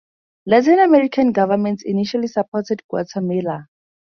Latin American governments initially supported Guatemala.